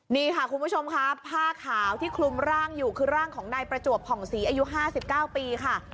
นี่ค่ะคุณผู้ชมค่ะผ้าขาวที่คลุมร่างอยู่คือร่างของนายประจวบผ่องศรีอายุ๕๙ปีค่ะ